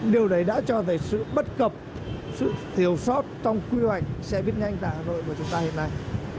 điều đấy đã cho thấy sự bất cập sự thiểu sót trong quy hoạch xe buýt nhanh đã rồi của chúng ta hiện nay